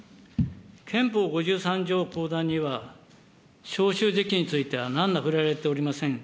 憲法５３条には召集時期についてはなんら触れられておりません。